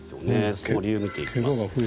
その理由を見ていきます。